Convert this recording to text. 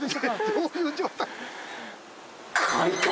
どういう状態？